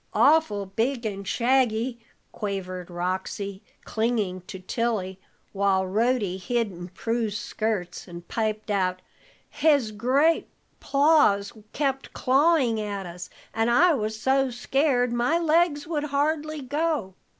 "Awful big and shaggy," quavered Roxy, clinging to Tilly, while Rhody hid in Prue's skirts, and piped out: "His great paws kept clawing at us, and I was so scared my legs would hardly go."